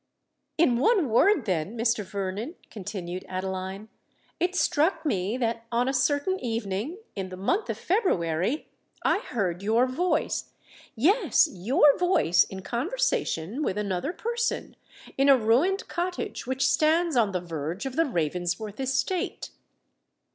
"In one word, then, Mr. Vernon," continued Adeline, "it struck me that on a certain evening—in the month of February—I heard your voice,—yes, your voice in conversation with another person, in a ruined cottage which stands on the verge of the Ravensworth estate."